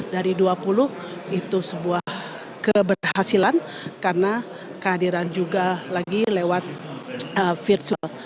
dari dua puluh itu sebuah keberhasilan karena kehadiran juga lagi lewat virtual